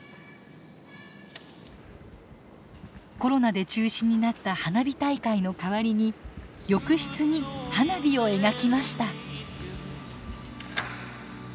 コロナで中止になった花火大会の代わりに浴室に花火を描きました。